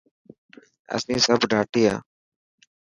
اسين سب ڌاٽي هان.